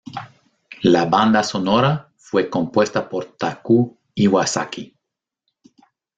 La banda sonora fue compuesta por Taku Iwasaki.